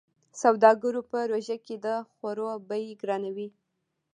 سوداګرو په روژه کې د خوړو بيې ګرانوي.